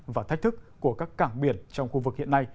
và thách thức của các cảng biển trong khu vực hiện nay